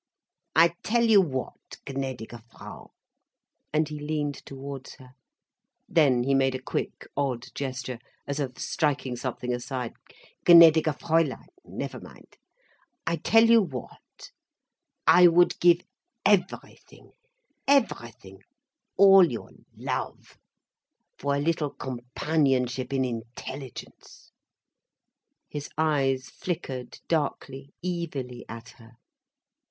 I tell you what, gnädige Frau—" and he leaned towards her—then he made a quick, odd gesture, as of striking something aside—"gnädige Fräulein, never mind—I tell you what, I would give everything, everything, all your love, for a little companionship in intelligence—" his eyes flickered darkly, evilly at her.